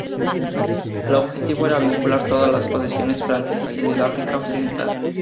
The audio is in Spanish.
El objetivo era vincular todas las posesiones francesas en el África occidental.